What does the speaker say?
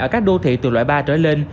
ở các đô thị từ loại ba trở lên